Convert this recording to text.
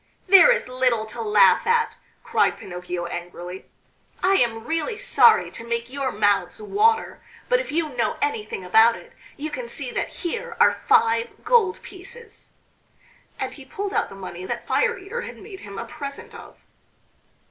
"There is little to laugh at," cried Pinocchio angrily. "I am really sorry to make your mouths water, but if you know anything about it, you can see that here are five gold pieces." And he pulled out the money that Fire eater had made him a present of.